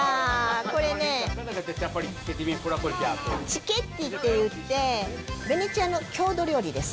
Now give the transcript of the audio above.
チケッティっていって、ヴェネツィアの郷土料理です。